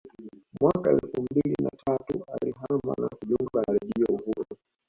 Mwaka elfu mbili na tatu alihama na kujiunga na Redio Uhuru